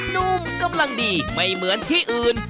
นุ่มกำลังดีไม่เหมือนที่อื่น